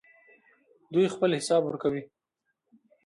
دوی خپل حساب ورکوي.